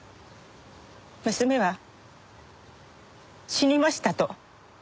娘は死にましたと。